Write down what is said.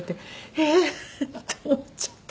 ええー！って思っちゃって。